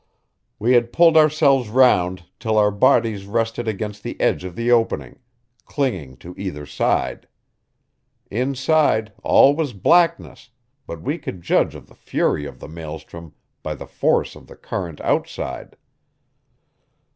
We had pulled ourselves round till our bodies rested against the edge of the opening, clinging to either side. Inside all was blackness, but we could judge of the fury of the maelstrom by the force of the current outside.